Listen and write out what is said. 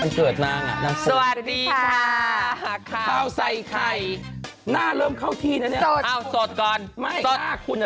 สวัสดีค่ะข้าวใส่ไข่หน้าเริ่มเข้าทีนะเนี่ย